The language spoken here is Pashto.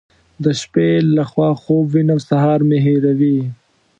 د شپې له خوا خوب وینم سهار مې هېروي.